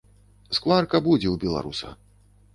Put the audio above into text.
Скварка будзе ў беларуса.